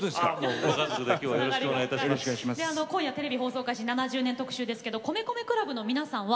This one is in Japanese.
今夜はテレビ放送開始７０年特集ですが米米ＣＬＵＢの皆さんは